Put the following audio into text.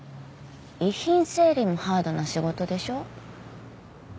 遺品整理もハードな仕事でしょ。